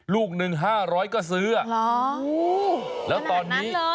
ลูกหนึ่ง๕๐๐ก็ซื้ออ่ะโอ้โฮขนาดนั้นเลยแล้วตอนนี้